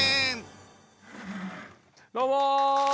どうも！